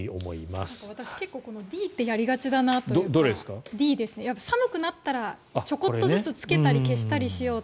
あと、私Ｄって結構やりがちで寒くなったら、ちょこっとずつつけたり消したりしようと。